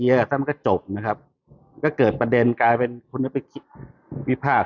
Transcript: แล้วก็มันก็จบและก็เริ่มเกิดประเด็นนี้กลายเป็นพิวพาซ